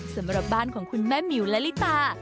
สำหรับบ้านของคุณแม่หมิวและลิตา